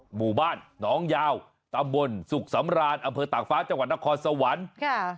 หมู่บ้านหนองยาวตำบลสุขสำรานอำเภอตากฟ้าจังหวัดนครสวรรค์ค่ะ